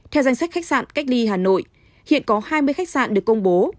theo danh sách khách sạn cách ly hà nội hiện có hai mươi khách sạn được công bố